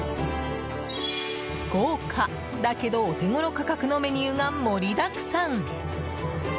豪華だけどお手ごろ価格のメニューが盛りだくさん！